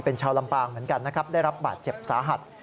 เป็นชาวลำปางเหมือนกันนะครับได้รับบาดเจ็บสาหัส